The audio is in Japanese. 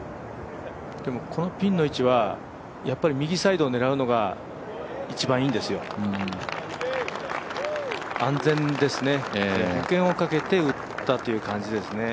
でもこのピンの位置はやっぱり右サイドを狙うのが一番いいんですよ、安全ですね、保険をかけて打ったという感じですね。